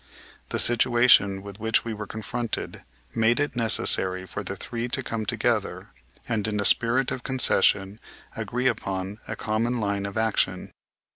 The situation with which we were confronted made it necessary for the three to come together and, in a spirit of concession, agree upon a common line of action.